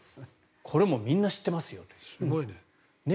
これもみんな知ってますよね。